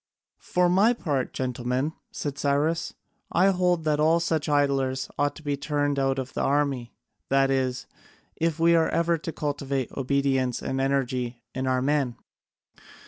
"For my part, gentlemen," said Cyrus, "I hold that all such idlers ought to be turned out of the army, that is, if we are ever to cultivate obedience and energy in our men.